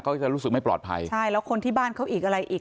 เขาก็จะรู้สึกไม่ปลอดภัยใช่แล้วคนที่บ้านเขาอีกอะไรอีก